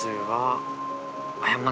はい。